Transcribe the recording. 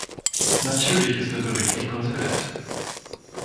Natürlich ist der Bericht nicht konsequent.